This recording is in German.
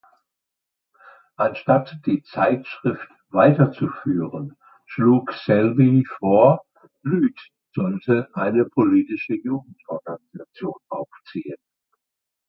Anstatt die Zeitschrift weiterzuführen schlug Selby vor, Lüth sollte eine politische Jugendorganisation aufziehen.